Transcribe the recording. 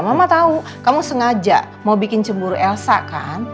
mama tahu kamu sengaja mau bikin cemburu elsa kan